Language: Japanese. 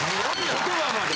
言葉まで。